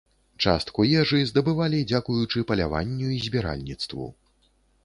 Частку ежы здабывалі дзякуючы паляванню і збіральніцтву.